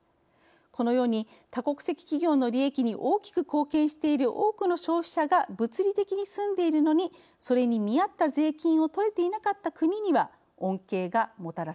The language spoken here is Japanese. このように多国籍企業の利益に大きく貢献している多くの消費者が物理的に住んでいるのにそれに見合った税金を取れていなかった国には恩恵がもたらされます。